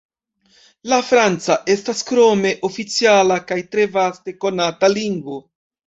La franca estas krome oficiala kaj tre vaste konata lingvo.